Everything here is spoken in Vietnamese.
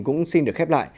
cũng xin được khép lại